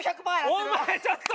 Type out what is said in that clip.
お前ちょっと！